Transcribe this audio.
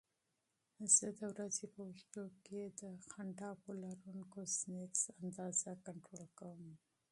زه د ورځې په اوږدو کې د پنیر لرونکي سنکس اندازه کنټرول کوم.